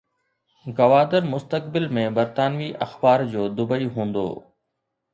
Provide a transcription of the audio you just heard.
گوادر مستقبل ۾ برطانوي اخبار جو دبئي هوندو